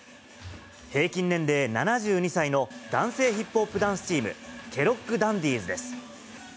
平均年齢７２歳の男性ヒップホップダンスチーム、ケロッグ・ダンディーズです。